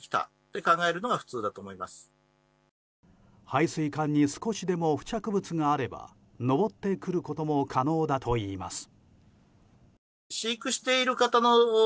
排水管に少しでも付着物があれば上ってくることも可能だといいます。